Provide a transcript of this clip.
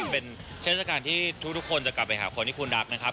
เป็นเทศกาลที่ทุกคนจะกลับไปหาคนที่คุณรักนะครับ